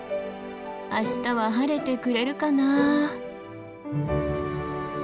明日は晴れてくれるかな。